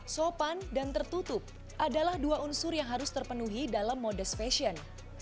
sopan dan tertutup adalah dua unsur yang harus terpenuhi dalam modest fashion